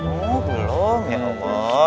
oh belum ya allah